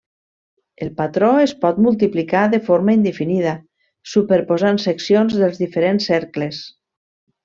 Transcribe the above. El patró es pot multiplicar de forma indefinida, superposant seccions dels diferents cercles.